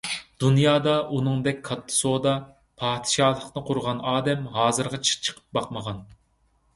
دۇنيادا ئۇنىڭدەك كاتتا سودا پادىشاھلىقىنى قۇرغان ئادەم ھازىرغىچە چىقىپ باقمىغان.